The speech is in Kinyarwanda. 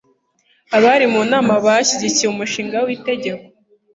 Abari mu nama bashyigikiye umushinga w'itegeko.